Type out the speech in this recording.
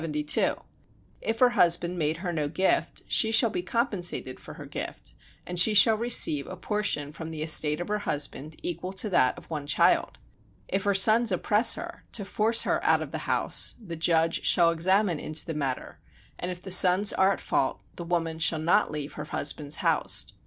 If her husband made her no gift, she shall be compensated for her gift, and she shall receive a portion from the estate of her husband, equal to that of one child. If her sons oppress her, to force her out of the house, the judge shall examine into the matter, and if the sons are at fault the woman shall not leave her husband's house.